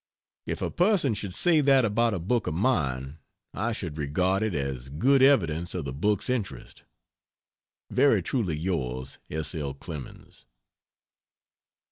If a person should say that about a book of mine I should regard it as good evidence of the book's interest. Very truly yours, S. L. CLEMENS.